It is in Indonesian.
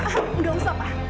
tidak usah papa